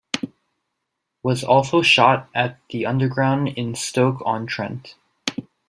was also shot at the underground in stoke on trent